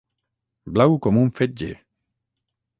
Blau com un fetge.